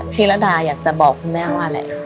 พี่ระดาอยากจะบอกคุณแม่ว่าแหละ